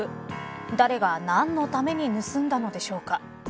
誰が何のために盗んだのでしょうか。